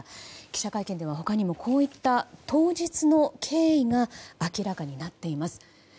記者会見では他にもこういった当日の経緯が明らかになっています。